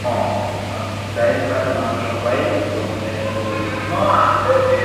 যাই হোক না কেন, আমরা সবাই বোস্টনে একসাথে থাকতে পারবো।